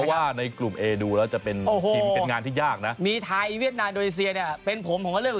สวัสดีครับเรื่องของสนามนะครับเกียรติเย็นนะครับเกียรติเย็นนะครับ